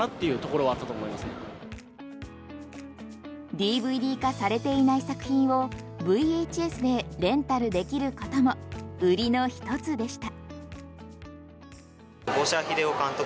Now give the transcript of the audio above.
ＤＶＤ化されていない作品をＶＨＳでレンタルできることも売りの１つでした。